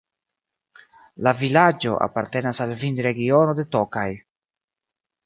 La vilaĝo apartenas al vinregiono de Tokaj.